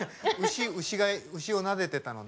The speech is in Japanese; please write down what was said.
牛をなでてたのね。